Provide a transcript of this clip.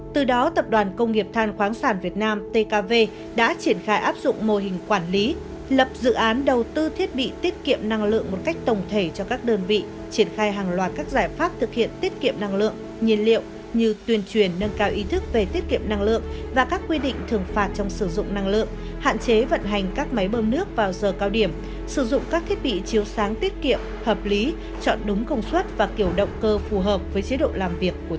trước đó tập đoàn công nghiệp than khoáng sản việt nam tkv đã triển khai áp dụng mô hình quản lý lập dự án đầu tư thiết bị tiết kiệm năng lượng một cách tổng thể cho các đơn vị triển khai hàng loạt các giải pháp thực hiện tiết kiệm năng lượng nhiên liệu như tuyên truyền nâng cao ý thức về tiết kiệm năng lượng và các quy định thường phạt trong sử dụng năng lượng hạn chế vận hành các máy bơm nước vào giờ cao điểm sử dụng các thiết bị chiếu sáng tiết kiệm hợp lý chọn đúng công suất và kiểu động cơ phù hợp với chế độ làm việc của